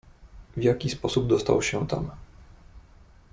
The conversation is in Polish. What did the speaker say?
"W jaki sposób dostał się tam?"